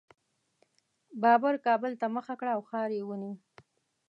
بابر کابل ته مخه کړه او ښار یې ونیو.